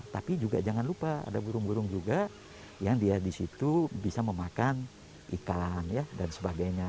tapi juga jangan lupa ada burung burung juga yang dia di situ bisa memakan ikan dan sebagainya